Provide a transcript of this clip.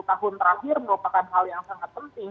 tahun terakhir merupakan hal yang sangat penting